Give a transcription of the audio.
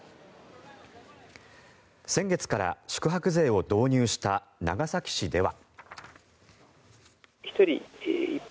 先月から宿泊税を導入した長崎市では。